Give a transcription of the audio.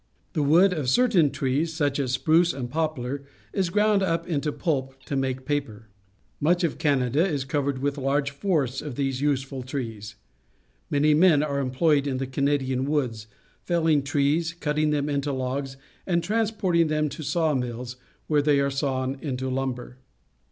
The wood of certain trees, such Undercutting a Douglas Fir, British Columbia as spruce and poplar, is ground up into pulp and made into paper. Much of Canada is covered with large forests of these useful trees. Many men are employed in the Canadian woods, felling trees, cutting them into logs, and trans porting them to saw mills, where they are sawn into lumber.